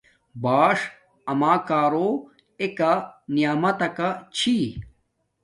باݽ اما کارو ایکہ نعمت تکا چھی